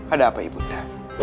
ada apa ibu nda